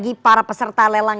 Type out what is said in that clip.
apa yang performa di indonesia ini